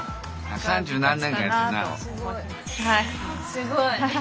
すごい。